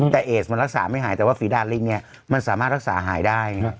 แต่เอสมันรักษาไม่หายแต่ว่าฝีดาลิงเนี่ยมันสามารถรักษาหายได้